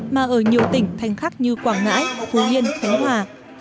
mà ở nhiều tỉnh thanh khắc như quảng ngãi phú yên khánh hòa